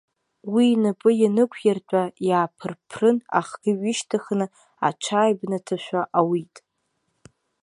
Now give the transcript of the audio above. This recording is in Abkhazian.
Уи инапы ианнықәиртәа, иааԥыр-ԥрын, ахгьы ҩышьҭыхны аҽааибнаҭашәа ауит.